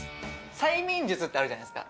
催眠術ってあるじゃないですか